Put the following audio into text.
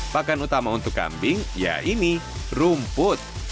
pakan utama untuk kambing ya ini rumput